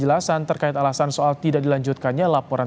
ya saya berharap sepertinya akan yakin